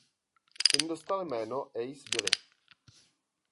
Syn dostal jméno Ace Billy.